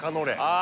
あ